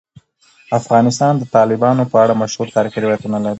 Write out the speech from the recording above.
افغانستان د تالابونه په اړه مشهور تاریخی روایتونه لري.